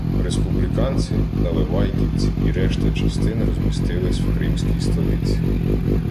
Республіканці, наливайківці і решта частин розмістились в кримській столиці.